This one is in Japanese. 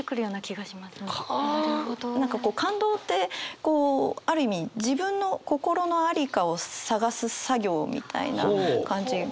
何か感動ってこうある意味自分の心の在りかを探す作業みたいな感じが。